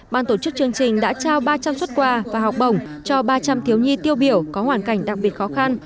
ban tổ chức chương trình đã trao ba trăm linh xuất quà và học bổng cho ba trăm linh thiếu nhi tiêu biểu có hoàn cảnh đặc biệt khó khăn